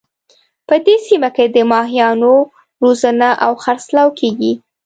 په دې سیمه کې د ماهیانو روزنه او خرڅلاو کیږي